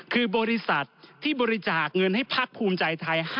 คือบริษัทที่บริจาคเงินให้พักภูมิใจไทย